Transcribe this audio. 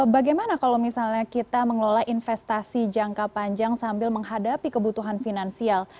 bagaimana kalau misalnya kita mengelola investasi jangka panjang sambil menghadapi kebutuhan finansial